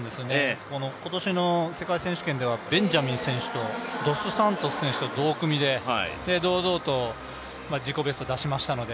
今年の世界選手権ではベンジャミン選手とドス・サントス選手と堂々と自己ベスト出しましたので。